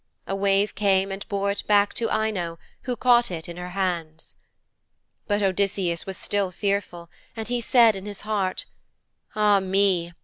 A wave came and bore it back to Ino who caught it in her hands. But Odysseus was still fearful, and he said in his heart, 'Ah me!